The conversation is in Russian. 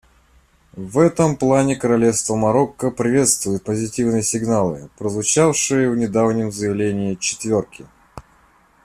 В этом плане Королевство Марокко приветствует позитивные сигналы, прозвучавшие в недавнем заявлении «четверки».